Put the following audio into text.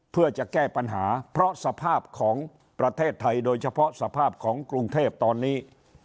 เพื่อจะแก้ปัญหาเพราะสภาพของประเทศไทยโดยเฉพาะสภาพของกรุงเทพตอนนี้